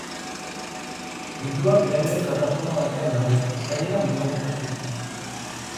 Tenplua piramide plataforma batean dago eskailera mugatu batzuekin.